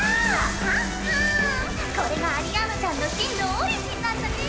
ははんこれがアリアーヌちゃんの真のオリジンなんだね